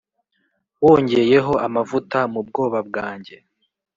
wongeyeho amavuta mubwoba bwanjye